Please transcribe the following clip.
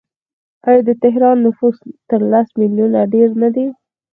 آیا د تهران نفوس تر لس میلیونه ډیر نه دی؟